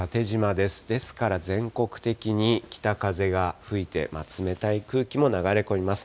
ですから全国的に北風が吹いて、冷たい空気も流れ込みます。